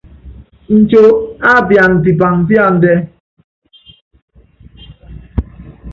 Nco á pian pipaŋ píandɛ́.